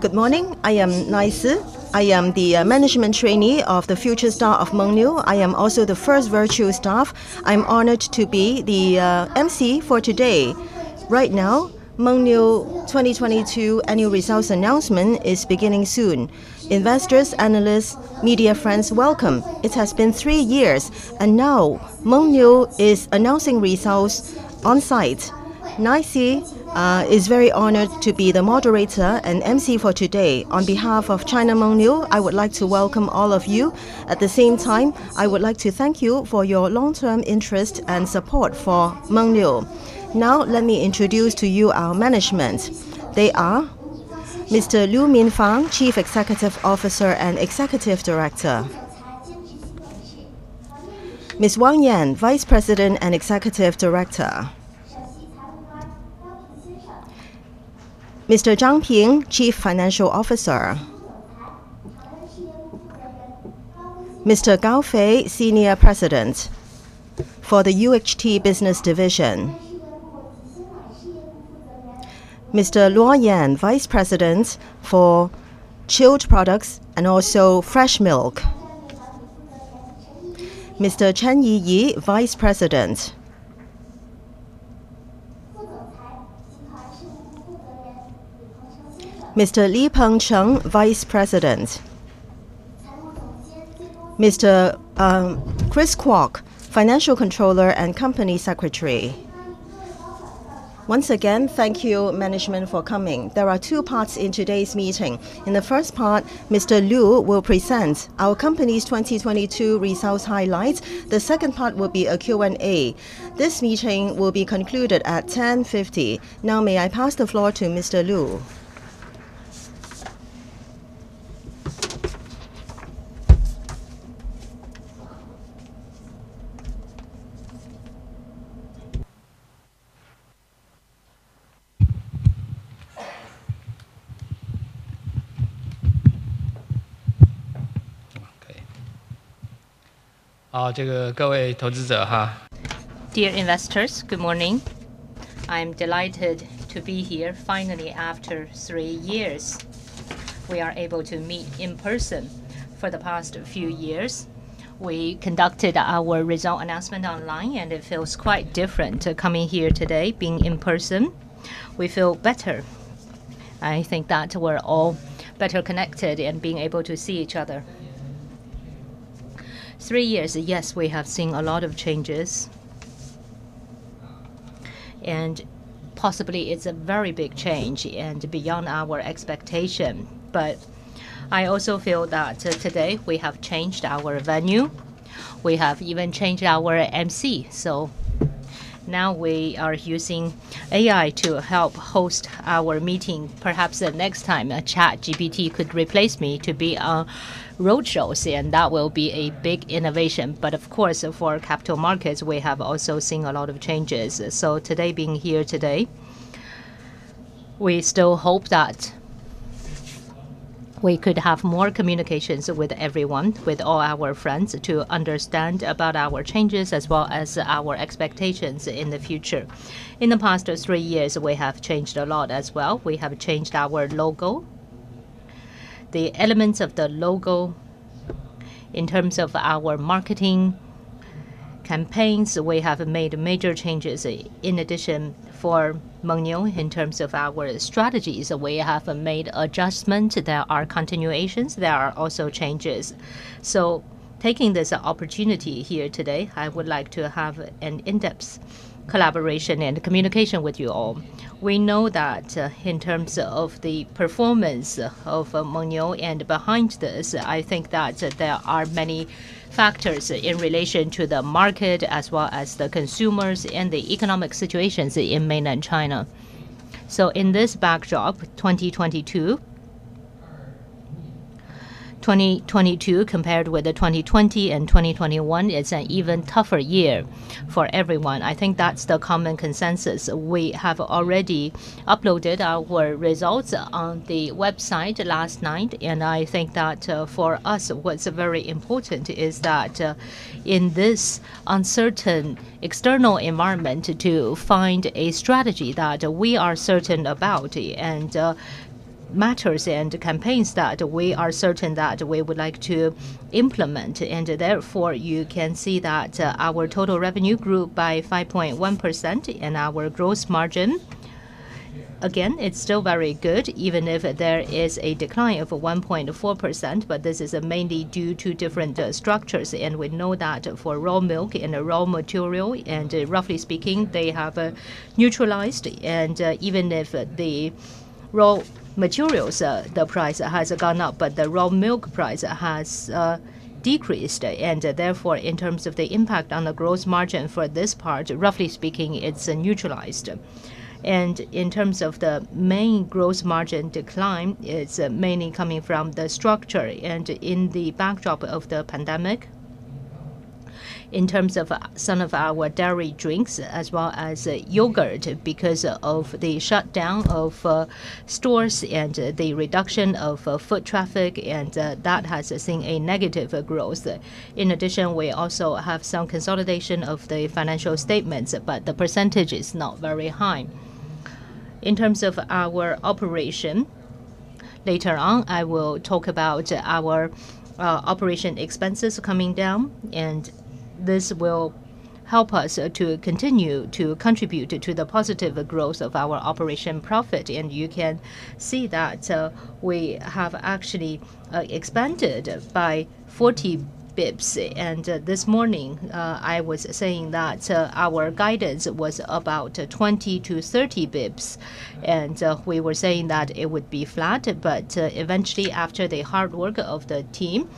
Good morning. I am Naisi. I am the management trainee of the future star of Mengniu. I am also the first virtual staff. I'm honored to be the MC for today. Right now, Mengniu 2022 annual results announcement is beginning soon. Investors, analysts, media friends, welcome. It has been three years, and now Mengniu is announcing results on site. Naici is very honored to be the moderator and MC for today. On behalf of China Mengniu, I would like to welcome all of you. At the same time, I would like to thank you for your long-term interest and support for Mengniu. Now, let me introduce to you our management. They are Mr. Lu Minfang, Chief Executive Officer and Executive Director. Ms. Wang Yan, Vice President and Executive Director. Mr. Zhang Ping, Chief Financial Officer. Mr. Gao Fei, Senior President for the UHT Business Division. Mr. Luo Yan, Vice President for Chilled Products and also Fresh Milk. Mr. Chen Yiyi, Vice President. Mr. Li Pengcheng, Vice President. Mr. Chris Kwok, Financial Controller and Company Secretary. Once again, thank you, management, for coming. There are two parts in today's meeting. In the first part, Mr. Lu will present our company's 2022 results highlights. The second part will be a Q&A. This meeting will be concluded at 10:50 A.M. Now, may I pass the floor to Mr. Lu? Okay. Dear investors, good morning. I am delighted to be here. Finally, after three years, we are able to meet in person. For the past few years, we conducted our result announcement online, and it feels quite different coming here today, being in person. We feel better. I think that we are all better connected in being able to see each other. Three years, yes, we have seen a lot of changes. Possibly it is a very big change and beyond our expectation. I also feel that today we have changed our venue. We have even changed our MC. Now we are using AI to help host our meeting. Perhaps the next time a ChatGPT could replace me to be a roadshow MC, and that will be a big innovation. Of course, for capital markets, we have also seen a lot of changes. Today, being here today, we still hope that we could have more communications with everyone, with all our friends to understand about our changes as well as our expectations in the future. In the past three years, we have changed a lot as well. We have changed our logo. The elements of the logo in terms of our marketing campaigns, we have made major changes. In addition, for Mengniu, in terms of our strategies, we have made adjustment. There are continuations, there are also changes. Taking this opportunity here today, I would like to have an in-depth collaboration and communication with you all. We know that, in terms of the performance of Mengniu and behind this, I think that there are many factors in relation to the market as well as the consumers and the economic situations in mainland China. In this backdrop, 2022. 2022 compared with the 2020 and 2021, it's an even tougher year for everyone. I think that's the common consensus. We have already uploaded our results on the website last night, and I think that for us, what's very important is that in this uncertain external environment, to find a strategy that we are certain about and matters and campaigns that we are certain that we would like to implement. Therefore, you can see that our total revenue grew by 5.1% and our gross margin, again, it's still very good, even if there is a decline of 1.4%. This is mainly due to different structures, and we know that for raw milk and raw material and roughly speaking, they have neutralized. Even if the raw materials, the price has gone up, but the raw milk price has decreased. Therefore, in terms of the impact on the gross margin for this part, roughly speaking, it's neutralized. In terms of the main gross margin decline, it's mainly coming from the structure. In the backdrop of the pandemic. In terms of some of our dairy drinks as well as yogurt, because of the shutdown of stores and the reduction of foot traffic, that has seen a negative growth. In addition, we also have some consolidation of the financial statements, but the percentage is not very high. In terms of our operation, later on, I will talk about our operation expenses coming down, and this will help us to continue to contribute to the positive growth of our operation profit. You can see that we have actually expanded by 40 basis points. This morning, I was saying that our guidance was about 20 basis points-30 basis points. We were saying that it would be flat, but eventually after the hard work of the team,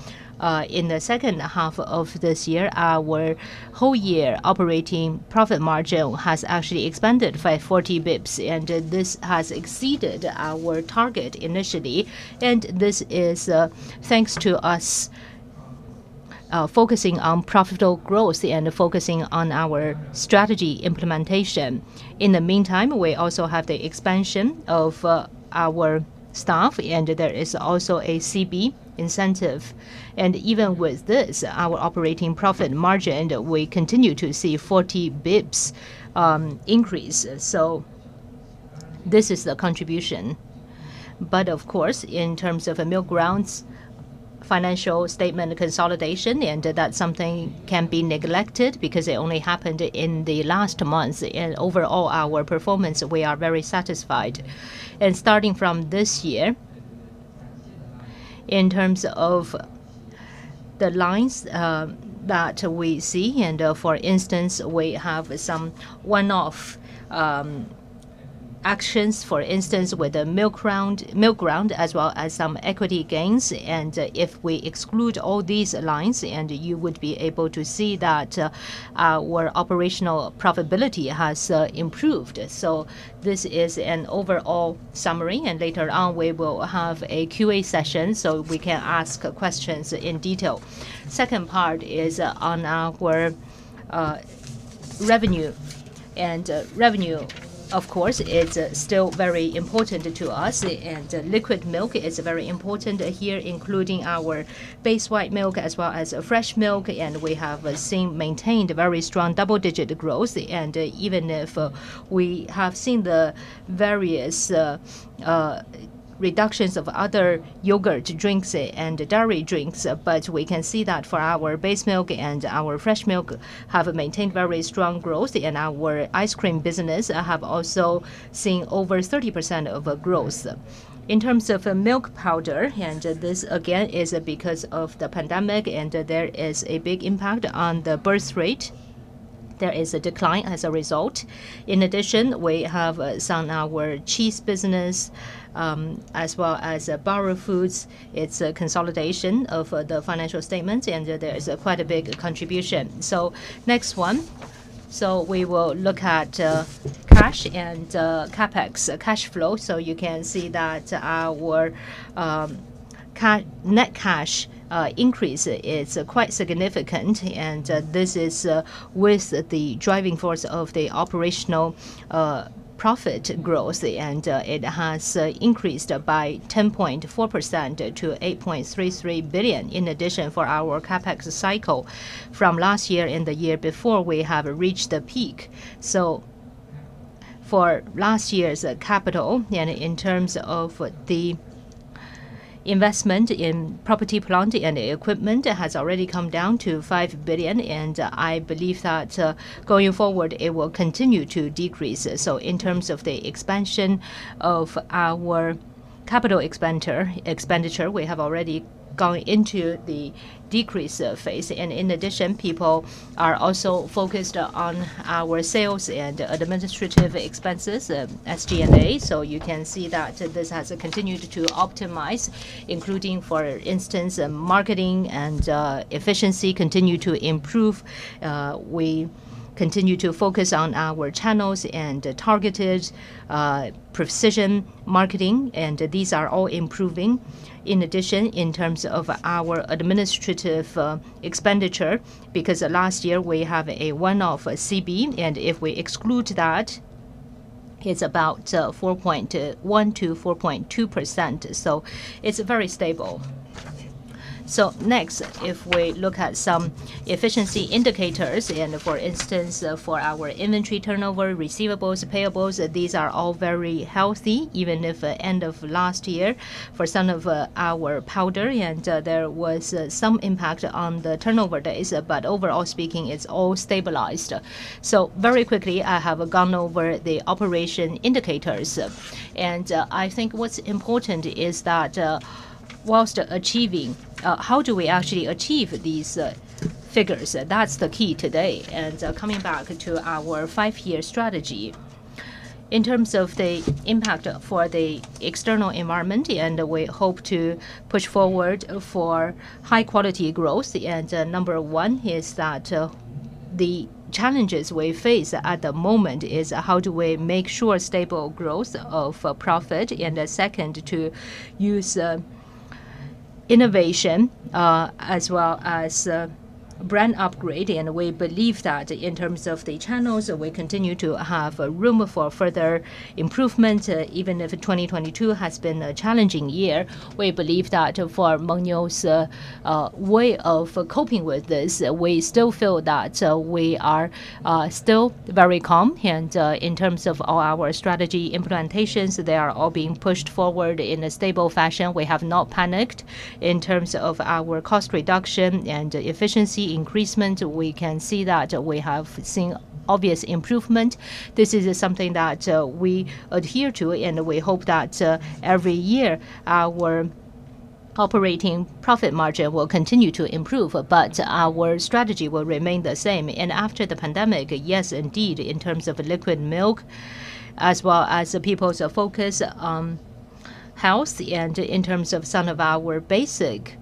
in the second half of this year, our whole year operating profit margin has actually expanded by 40 basis points, and this has exceeded our target initially. This is thanks to us focusing on profitable growth and focusing on our strategy implementation. In the meantime, we also have the expansion of our staff, and there is also a C&B incentive. Even with this, our operating profit margin, we continue to see 40 basis points increase. This is the contribution. Of course, in terms of Milkground's financial statement consolidation, that's something can't be neglected because it only happened in the last months. Overall, our performance, we are very satisfied. Starting from this year, in terms of the lines that we see, for instance, we have some one-off actions, for instance, with the Milkground, as well as some equity gains. If we exclude all these lines and you would be able to see that our operational profitability has improved. This is an overall summary, and later on, we will have a QA session, so we can ask questions in detail. Second part is on our revenue. Revenue, of course, is still very important to us. Liquid milk is very important here, including our base white milk as well as fresh milk. We have seen maintained very strong double-digit growth. Even if we have seen the various reductions of other yogurt drinks and dairy drinks, but we can see that for our base milk and our fresh milk have maintained very strong growth. Our ice cream business have also seen over 30% of growth. In terms of milk powder, this again is because of the pandemic, there is a big impact on the birth rate. There is a decline as a result. In addition, we have some our cheese business, as well as Burra Foods. It's a consolidation of the financial statement, there is quite a big contribution. Next one. We will look at cash and CapEx cash flow. You can see that our net cash increase is quite significant, and this is with the driving force of the operational profit growth. It has increased by 10.4% to 8.33 billion. In addition, for our CapEx cycle from last year and the year before, we have reached the peak. For last year's capital and in terms of the investment in property, plant, and equipment has already come down to 5 billion, and I believe that going forward, it will continue to decrease. In terms of the expansion of our capital expenditure, we have already gone into the decrease phase. In addition, people are also focused on our sales and administrative expenses, SG&A. You can see that this has continued to optimize, including, for instance, marketing and efficiency continue to improve. We continue to focus on our channels and targeted precision marketing, and these are all improving. In addition, in terms of our administrative expenditure, because last year we have a one-off C&B, and if we exclude that, it's about 4.1%-4.2%. It's very stable. Next, if we look at some efficiency indicators and, for instance, for our inventory turnover, receivables, payables, these are all very healthy, even if, end of last year for some of our powder, there was some impact on the turnover days. Overall speaking, it's all stabilized. Very quickly, I have gone over the operation indicators. I think what's important is that, whilst achieving, how do we actually achieve these figures? That's the key today. Coming back to our five-year strategy. In terms of the impact for the external environment, and we hope to push forward for high quality growth. Number one is that, the challenges we face at the moment is how do we make sure stable growth of profit? Second, to use main innovation, as well as brand upgrade, and we believe that in terms of the channels, we continue to have room for further improvement, even if 2022 has been a challenging year. We believe that for Mengniu's way of coping with this, we still feel that we are still very calm. In terms of all our strategy implementations, they are all being pushed forward in a stable fashion. We have not panicked. In terms of our cost reduction and efficiency increasement, we can see that we have seen obvious improvement. This is something that we adhere to, and we hope that every year our operating profit margin will continue to improve, but our strategy will remain the same. After the pandemic, yes, indeed, in terms of liquid milk as well as the people's focus on health and in terms of some of our basic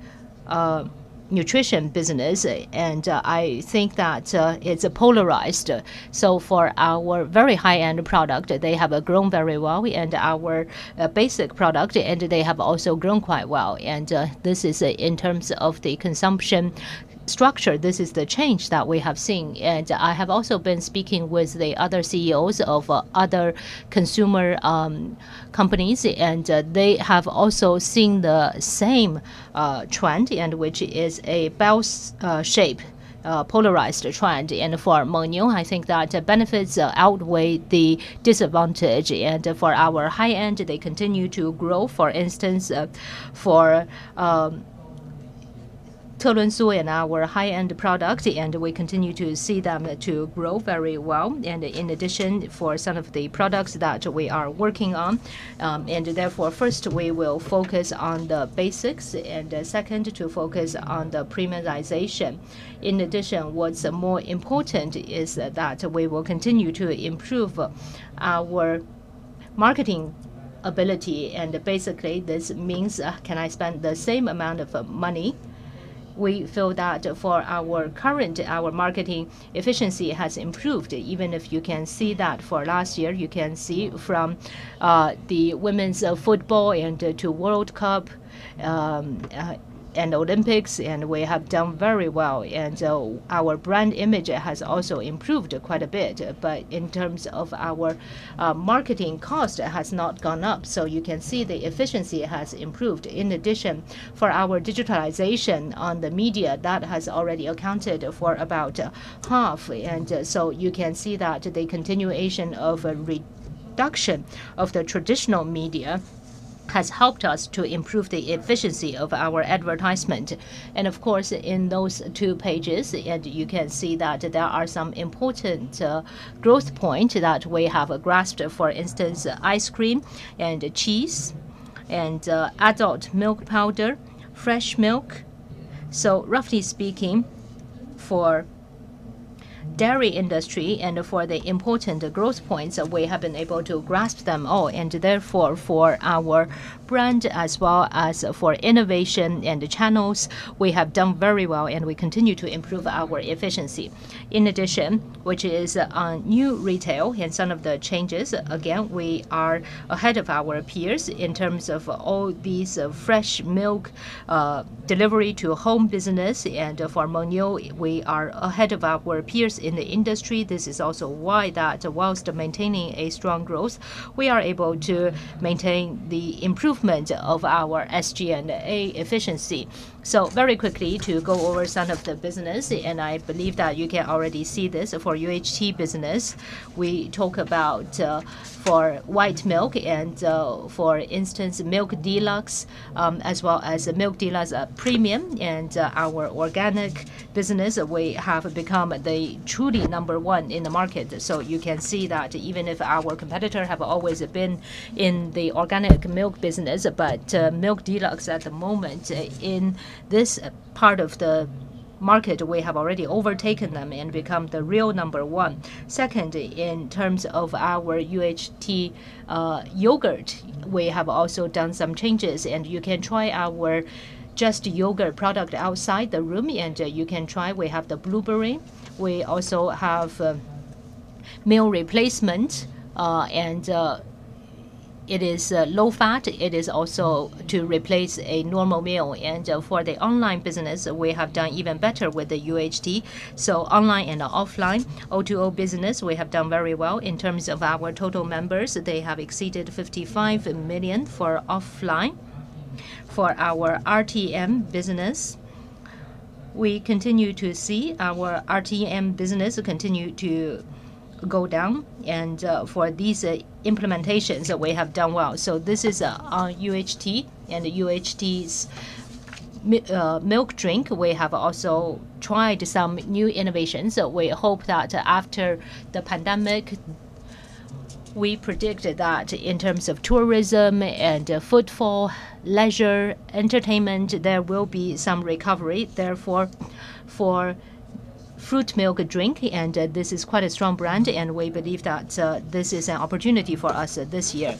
nutrition business. I think that it's polarized. For our very high-end product, they have grown very well, and our basic product, and they have also grown quite well. This is in terms of the consumption structure, this is the change that we have seen. I have also been speaking with the other CEOs of other consumer companies, and they have also seen the same trend, which is a bell-shape polarized trend. For Mengniu, I think that benefits outweigh the disadvantage. For our high-end, they continue to grow. For instance, for Telunsu and our high-end product, we continue to see them to grow very well. In addition, for some of the products that we are working on, first we will focus on the basics and second to focus on the premiumization. In addition, what's more important is that we will continue to improve our marketing ability. Basically this means, can I spend the same amount of money? We feel that for our current, our marketing efficiency has improved. Even if you can see that for last year, you can see from the Women's Football and to World Cup and Olympics, we have done very well. Our brand image has also improved quite a bit. In terms of our marketing cost has not gone up. You can see the efficiency has improved. In addition, for our digitalization on the media, that has already accounted for about half. You can see that the continuation of a reduction of the traditional media has helped us to improve the efficiency of our advertisement. Of course, in those two pages, you can see that there are some important growth points that we have grasped. For instance, ice cream and cheese, adult milk powder, fresh milk. Roughly speaking, for dairy industry and for the important growth points, we have been able to grasp them all. Therefore, for our brand as well as for innovation and the channels, we have done very well, and we continue to improve our efficiency. In addition, which is on new retail and some of the changes, again, we are ahead of our peers in terms of all these fresh milk delivery to home business. For Mengniu, we are ahead of our peers in the industry. This is also why that whilst maintaining a strong growth, we are able to maintain the improvement of our SG&A efficiency. Very quickly to go over some of the business, and I believe that you can already see this. For UHT business, we talk about for white milk and for instance, Milk Deluxe, as well as Milk Deluxe premium and our organic business, we have become the truly number one in the market. You can see that even if our competitor have always been in the organic milk business, but Milk Deluxe at the moment, in this part of the market, we have already overtaken them and become the real number one. Second, in terms of our UHT yogurt, we have also done some changes, and you can try our Just Yogurt product outside the room, and you can try. We have the blueberry. We also have meal replacement, and it is low fat. It is also to replace a normal meal. For the online business, we have done even better with the UHT. Online and offline, O2O business, we have done very well. In terms of our total members, they have exceeded 55 million for offline. For our RTM business, we continue to see our RTM business continue to go down. For these implementations, we have done well. This is our UHT and UHT's milk drink. We have also tried some new innovations. We hope that after the pandemic, we predicted that in terms of tourism and footfall, leisure, entertainment, there will be some recovery. For fruit milk drink, and this is quite a strong brand, and we believe that this is an opportunity for us this year.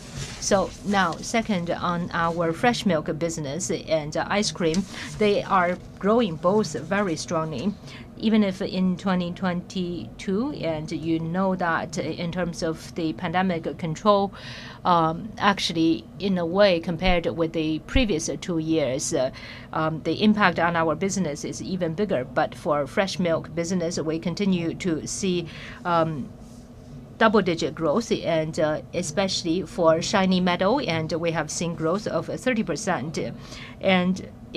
Now second on our fresh milk business and ice cream, they are growing both very strongly. Even if in 2022, and you know that in terms of the pandemic control, actually in a way compared with the previous two years, the impact on our business is even bigger. For fresh milk business, we continue to see double-digit growth, especially for Shiny Meadow, and we have seen growth of 30%.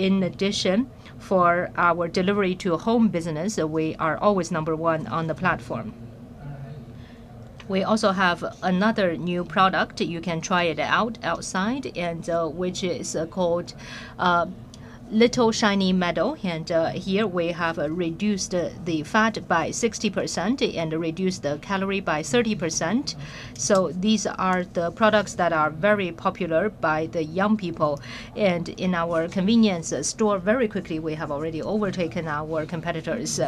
In addition, for our delivery-to-home business, we are always number one on the platform. We also have another new product. You can try it out outside, which is called Little Shiny Meadow. Here we have reduced the fat by 60% and reduced the calorie by 30%. These are the products that are very popular by the young people. In our convenience store, very quickly, we have already overtaken our competitors.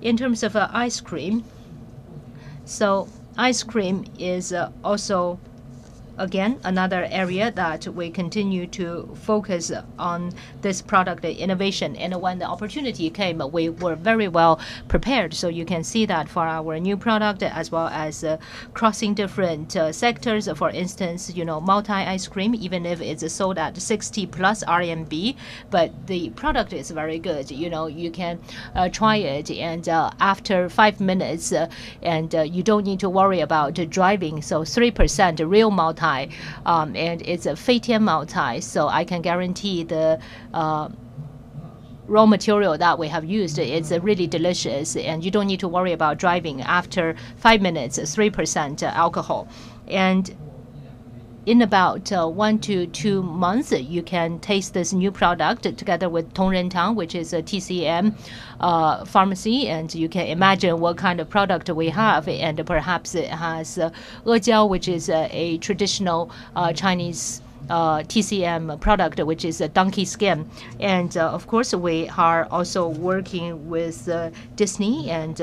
In terms of ice cream, ice cream is also, again, another area that we continue to focus on this product, the innovation. When the opportunity came, we were very well-prepared. You can see that for our new product as well as crossing different sectors. For instance, you know, Moutai ice cream, even if it's sold at 60+ RMB, but the product is very good. You know, you can try it, and after five minutes, and you don't need to worry about driving. 3% real Moutai, and it's a Feitian Moutai, so I can guarantee the raw material that we have used. It's really delicious, and you don't need to worry about driving after five minutes, it's 3% alcohol. In about one to two months, you can taste this new product together with Tongrentang, which is a TCM pharmacy, and you can imagine what kind of product we have. Perhaps it has ejiao, which is a traditional Chinese TCM product, which is a donkey skin. Of course, we are also working with Disney and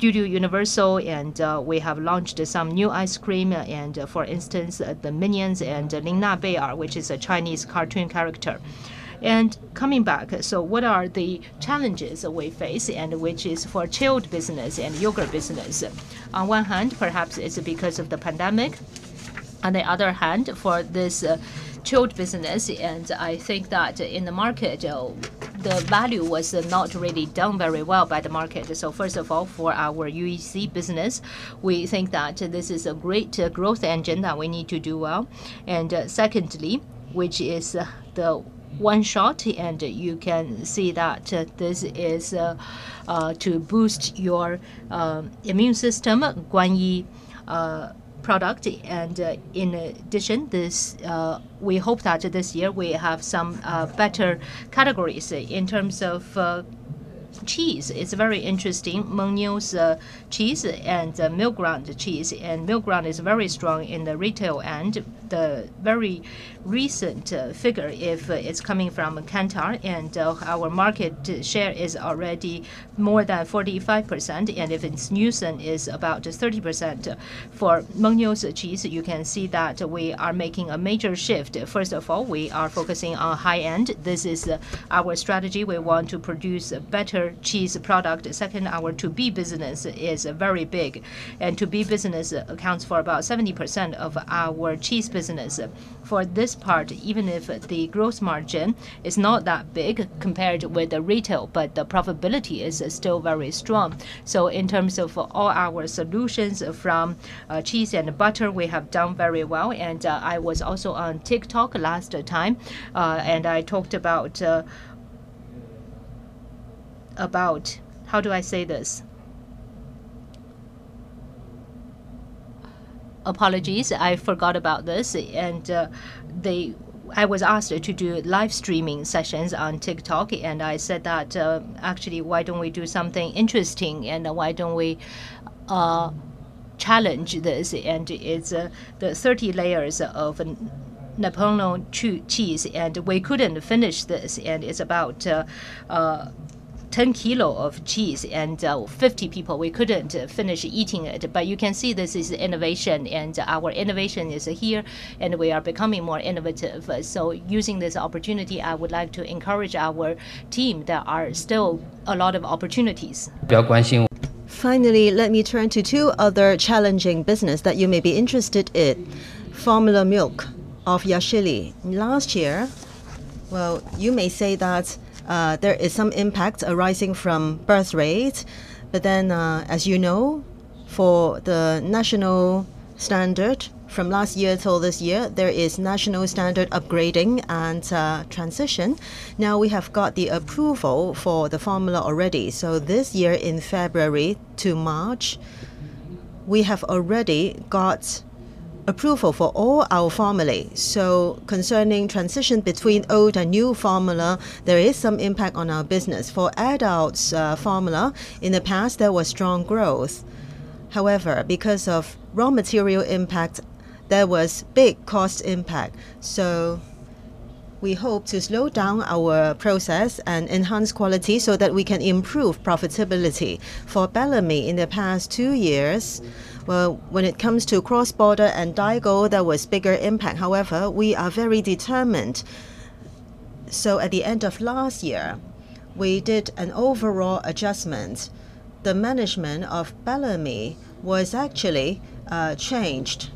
Universal Studios, and we have launched some new ice cream, and for instance, the Minions and LinaBell, which is a Chinese cartoon character. Coming back, what are the challenges that we face and which is for chilled business and yogurt business? On one hand, perhaps it's because of the pandemic. On the other hand, for this chilled business, I think that in the market, the value was not really done very well by the market. First of all, for our Yoyi C business, we think that this is a great growth engine that we need to do well. Secondly, which is the one shot, you can see that this is to boost your immune system, Guan Yi Ru product. In addition, this, we hope that this year we have some better categories. In terms of cheese, it's very interesting. Mengniu's cheese and Milkground's cheese. Milkground is very strong in the retail end. The very recent figure, if it's coming from Kantar, our market share is already more than 45%. If it's Nielsen, is about just 30%. For Mengniu's cheese, you can see that we are making a major shift. First of all, we are focusing on high-end. This is our strategy. We want to produce a better cheese product. Second, our 2B business is very big. 2B business accounts for about 70% of our cheese business. For this part, even if the growth margin is not that big compared with the retail, but the profitability is still very strong. In terms of all our solutions from cheese and butter, we have done very well. I was also on TikTok last time, and I talked about. How do I say this? Apologies, I forgot about this. They. I was asked to do live streaming sessions on TikTok, I said that, actually, why don't we do something interesting? Why don't we challenge this? It's the 30 layers of an Napoléon cheese, and we couldn't finish this. It's about 10 kg of cheese and 50 people, we couldn't finish eating it. You can see this is innovation, our innovation is here, we are becoming more innovative. Using this opportunity, I would like to encourage our team. There are still a lot of opportunities. Finally, let me turn to two other challenging business that you may be interested in. Formula milk of Yashili. Last year, well, you may say that there is some impact arising from birth rates, as you know, for the national standard from last year till this year, there is national standard upgrading and transition. We have got the approval for the formula already. This year in February to March, we have already got approval for all our formulae. Concerning transition between old and new formula, there is some impact on our business. For adults' formula, in the past, there was strong growth. Because of raw material impact, there was big cost impact. We hope to slow down our process and enhance quality so that we can improve profitability. For Bellamy's, in the past two years, well, when it comes to cross-border and daigou, there was bigger impact. We are very determined. At the end of last year, we did an overall adjustment. The management of Bellamy's was actually changed.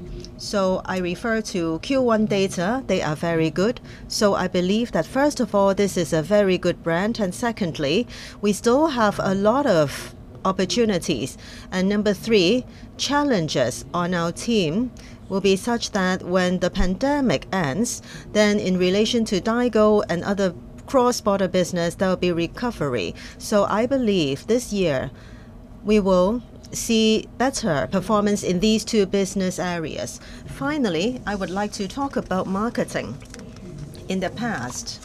I refer to Q1 data, they are very good. I believe that, first of all, this is a very good brand, and secondly, we still have a lot of. Opportunities. Number three, challenges on our team will be such that when the pandemic ends, in relation to daigou and other cross-border business, there will be recovery. I believe this year we will see better performance in these two business areas. Finally, I would like to talk about marketing. In the past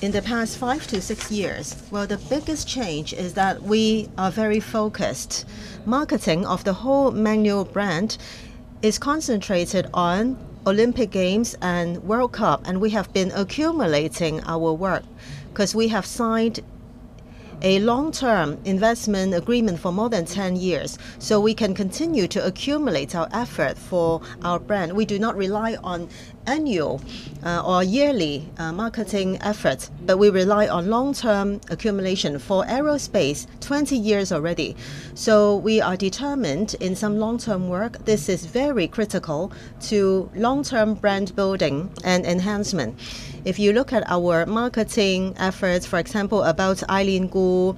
five-six years, well, the biggest change is that we are very focused. Marketing of the whole Mengniu brand is concentrated on Olympic Games and World Cup, and we have been accumulating our work. 'Cause we have signed a long-term investment agreement for more than 10 years, so we can continue to accumulate our effort for our brand. We do not rely on annual or yearly marketing efforts, but we rely on long-term accumulation. For aerospace, 20 years already. We are determined in some long-term work. This is very critical to long-term brand building and enhancement. If you look at our marketing efforts, for example, about Eileen Gu,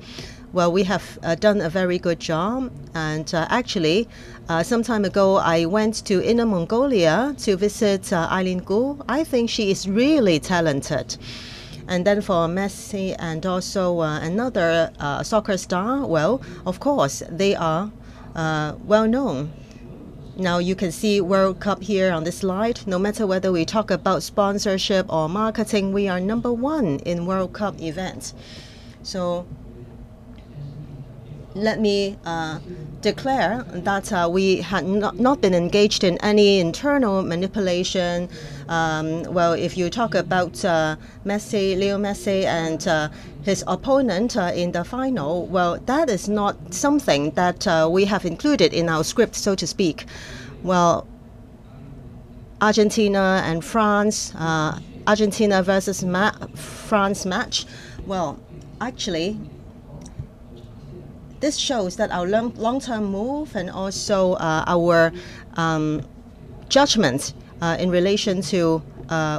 well, we have done a very good job. Actually, some time ago, I went to Inner Mongolia to visit Eileen Gu. I think she is really talented. For Messi and also another soccer star, well, of course, they are well-known. Now, you can see World Cup here on this slide. No matter whether we talk about sponsorship or marketing, we are number one in World Cup events. Let me declare that we had not been engaged in any internal manipulation. Well, if you talk about Messi, Leo Messi, and his opponent in the final, well, that is not something that we have included in our script, so to speak. Argentina and France, Argentina versus France match, actually, this shows that our long-term move and also our judgment in relation to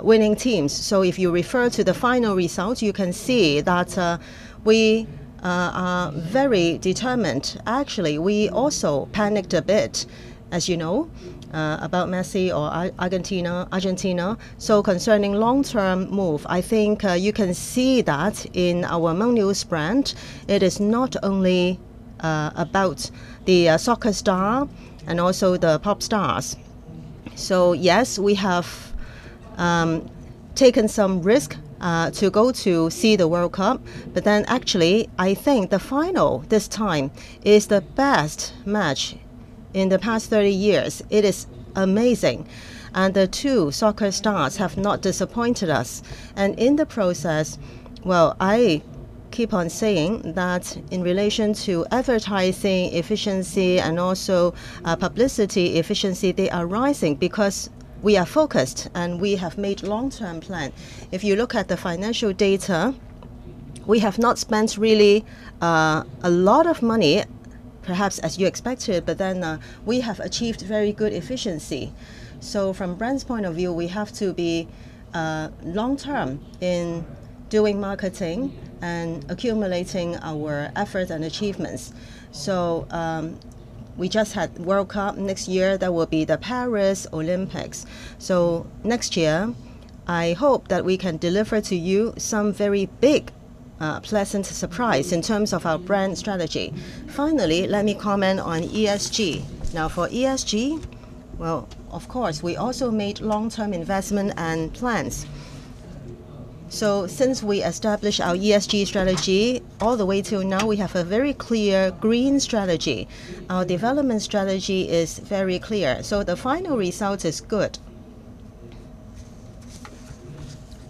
winning teams. If you refer to the final results, you can see that we are very determined. Actually, we also panicked a bit, as you know, about Messi or Argentina. Concerning long-term move, I think you can see that in our Mengniu brand, it is not only about the soccer star and also the pop stars. Actually, I think the final this time is the best match in the past 30 years. It is amazing, the two soccer stars have not disappointed us. In the process, I keep on saying that in relation to advertising efficiency and also publicity efficiency, they are rising because we are focused, and we have made long-term plan. If you look at the financial data, we have not spent really a lot of money, perhaps as you expected, we have achieved very good efficiency. From brand's point of view, we have to be long-term in doing marketing and accumulating our effort and achievements. We just had World Cup. Next year, there will be the Paris Olympics. Next year, I hope that we can deliver to you some very big pleasant surprise in terms of our brand strategy. Finally, let me comment on ESG. For ESG, of course, we also made long-term investment and plans. Since we established our ESG strategy all the way till now, we have a very clear GREEN strategy. Our development strategy is very clear, the final result is good.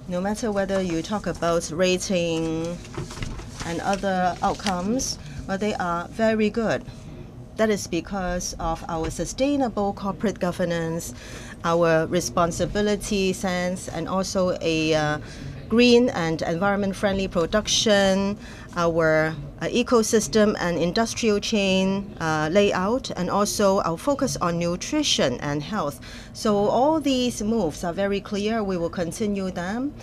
No matter whether you talk about rating and other outcomes, well, they are very good. That is because of our sustainable corporate governance, our responsibility sense, and also a green and environment-friendly production, our ecosystem and industrial chain layout, and also our focus on nutrition and health. All these moves are very clear. We will continue them.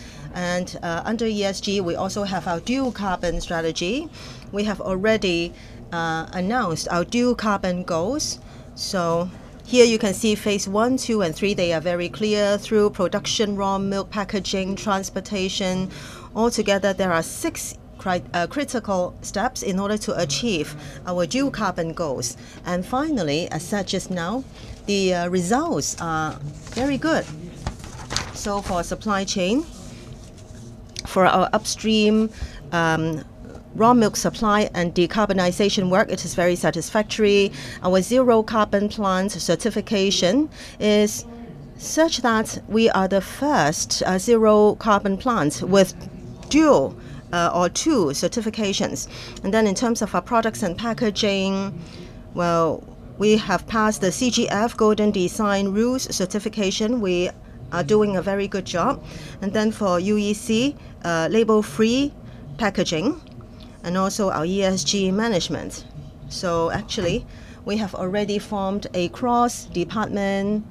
Under ESG, we also have our Dual Carbon strategy. We have already announced our Dual Carbon goals. Here you can see Phase 1, Phase 2, and Phase 3. They are very clear through production, raw milk packaging, transportation. Altogether, there are six critical steps in order to achieve our Dual Carbon goals. Finally, as said just now, the results are very good. For supply chain, for our upstream raw milk supply and decarbonization work, it is very satisfactory. Our zero carbon plant certification is such that we are the first zero carbon plant with dual or two certifications. In terms of our products and packaging, well, we have passed the CGF Golden Design Rules certification. We are doing a very good job. For Yoyi C, label-free packaging and also our ESG management. Actually, we have already formed a cross-department,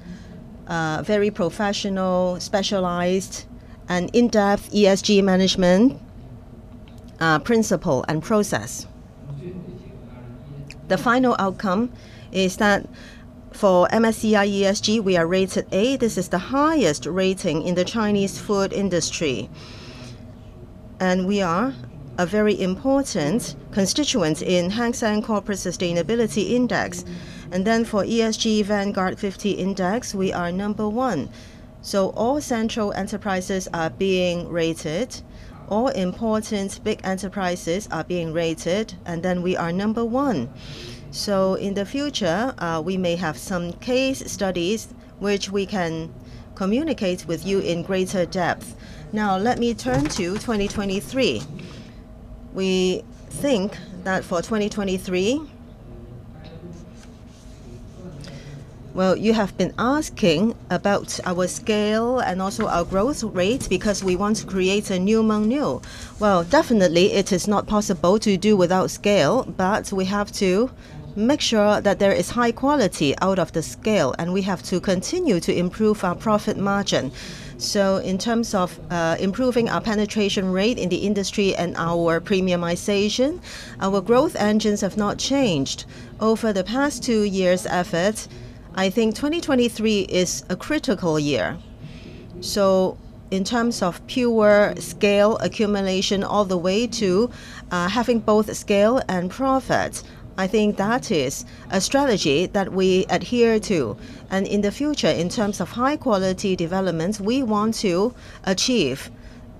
very professional, specialized an in-depth ESG management principle and process. The final outcome is that for MSCI ESG, we are rated A. This is the highest rating in the Chinese food industry, and we are a very important constituent in Hang Seng Corporate Sustainability Index. For ESG Vanguard 50 Index, we are number one. All central enterprises are being rated, all important big enterprises are being rated, and then we are number one. In the future, we may have some case studies which we can communicate with you in greater depth. Let me turn to 2023. We think that for 2023. Well, you have been asking about our scale and also our growth rate because we want to create a New Mengniu. Well, definitely, it is not possible to do without scale, but we have to make sure that there is high quality out of the scale, and we have to continue to improve our profit margin. In terms of improving our penetration rate in the industry and our premiumization, our growth engines have not changed. Over the past two years' efforts, I think 2023 is a critical year. In terms of pure scale accumulation all the way to having both scale and profit, I think that is a strategy that we adhere to. In the future, in terms of high-quality development, we want to achieve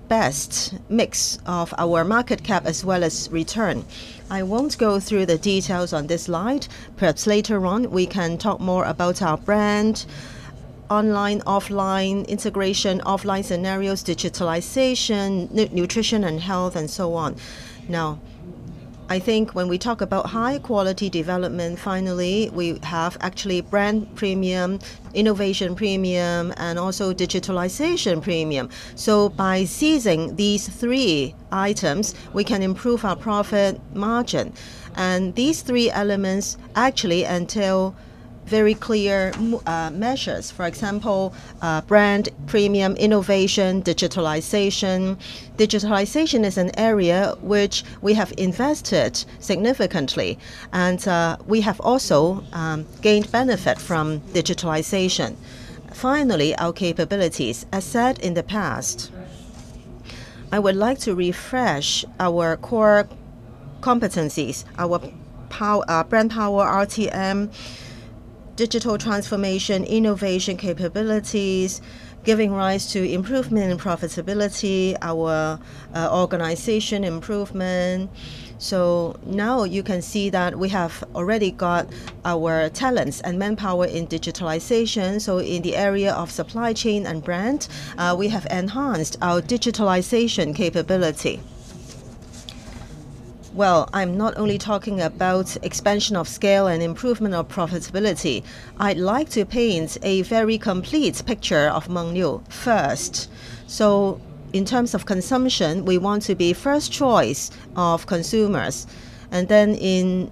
best mix of our market cap as well as return. I won't go through the details on this slide. Perhaps later on, we can talk more about our brand, online/offline integration, offline scenarios, digitalization, nutrition and health, and so on. I think when we talk about high-quality development, finally, we have actually brand premium, innovation premium, and also digitalization premium. By seizing these three items, we can improve our profit margin. These three elements actually entail very clear measures. For example, brand premium, innovation, digitalization. Digitalization is an area which we have invested significantly, and we have also gained benefit from digitalization. Our capabilities. As said in the past, I would like to refresh our core competencies, our brand power, RTM, digital transformation, innovation capabilities, giving rise to improvement in profitability, our organization improvement. Now you can see that we have already got our talents and manpower in digitalization. In the area of supply chain and brand, we have enhanced our digitalization capability. I'm not only talking about expansion of scale and improvement of profitability. I'd like to paint a very complete picture of Mengniu first. In terms of consumption, we want to be first choice of consumers. Then in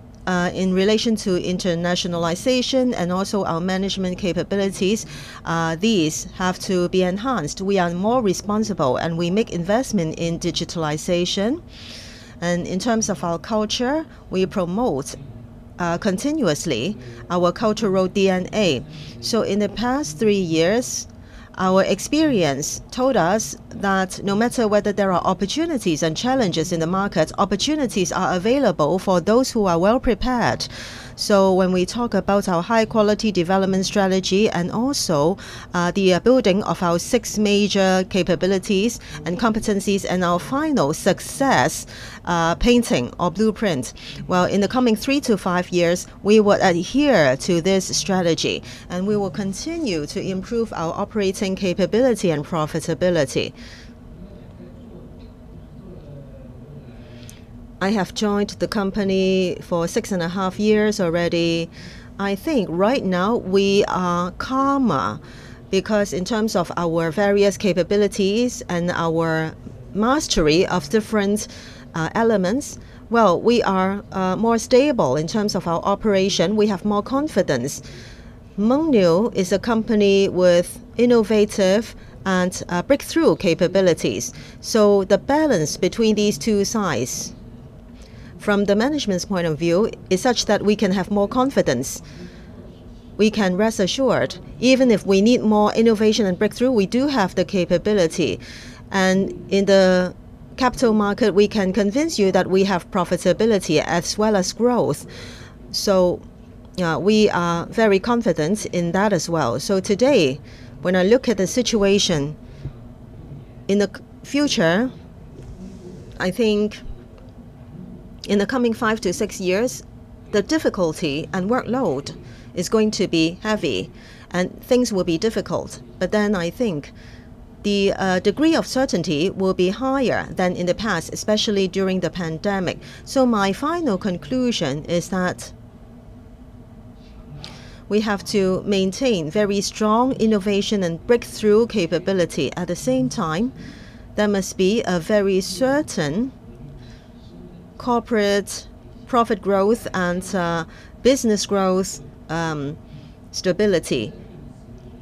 relation to internationalization and also our management capabilities, these have to be enhanced. We are more responsible, we make investment in digitalization. In terms of our culture, we promote continuously our cultural DNA. In the past three years, our experience told us that no matter whether there are opportunities and challenges in the market, opportunities are available for those who are well prepared. When we talk about our high-quality development strategy and also the building of our six major capabilities and competencies and our final success painting or blueprint, well, in the coming three to five years, we will adhere to this strategy, and we will continue to improve our operating capability and profitability. I have joined the company for six and a half years already. I think right now we are calmer because in terms of our various capabilities and our mastery of different elements, we are more stable in terms of our operation. We have more confidence. Mengniu is a company with innovative and breakthrough capabilities. The balance between these two sides, from the management's point of view, is such that we can have more confidence. We can rest assured, even if we need more innovation and breakthrough, we do have the capability. In the capital market, we can convince you that we have profitability as well as growth. We are very confident in that as well. Today, when I look at the situation in the future, I think in the coming five-six years, the difficulty and workload is going to be heavy, and things will be difficult. I think the degree of certainty will be higher than in the past, especially during the pandemic. My final conclusion is that we have to maintain very strong innovation and breakthrough capability. At the same time, there must be a very certain corporate profit growth and business growth stability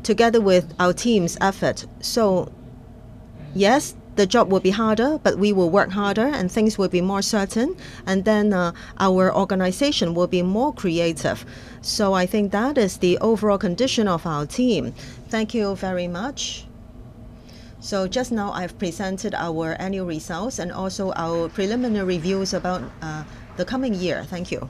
together with our team's effort. Yes, the job will be harder, but we will work harder, and things will be more certain. Our organization will be more creative. I think that is the overall condition of our team. Thank you very much. Just now I've presented our annual results and also our preliminary reviews about the coming year. Thank you.